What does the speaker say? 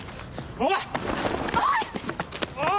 おい！